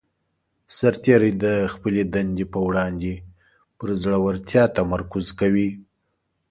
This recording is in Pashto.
سرتیری د خپلې دندې په وړاندې پر زړه ورتیا تمرکز کوي.